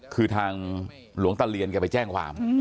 คือทางหลวงตะเรียนแกไปแจ้งความ